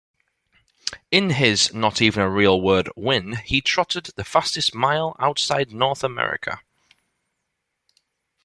In his Elitlopp win he trotted the fastest mile outside North America.